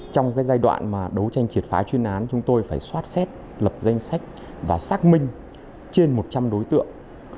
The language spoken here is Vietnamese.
trong giai đoạn đấu tranh triệt phái chuyên án chúng tôi phải soát xét lập danh sách và xác minh trên một trăm linh đối tượng